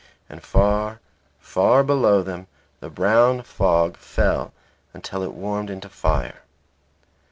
And far, far below them the brown fog fell until it warmed into fire.